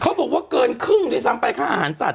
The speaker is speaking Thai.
บอกว่าเกินครึ่งด้วยซ้ำไปค่าอาหารสัตว